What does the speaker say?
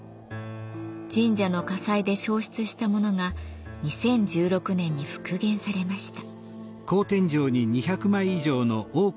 神社の火災で焼失したものが２０１６年に復元されました。